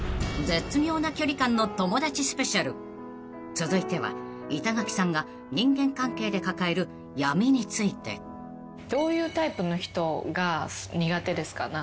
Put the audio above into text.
［続いては板垣さんが人間関係で抱える闇について］どういうタイプの人が苦手ですか？